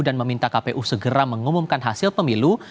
dan meminta kpu segera mengumumkan hasil pemilu